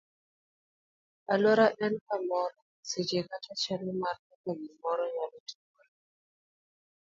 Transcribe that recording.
Aluora en kamoro, seche kata chalo mar kaka gimoro nyalo timore.